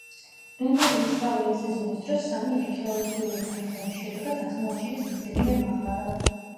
რამდენიმე საველე სეზონის დროს სამი არქეოლოგიური გათხრების შედეგად აღმოაჩინეს რამდენიმე მაღარო.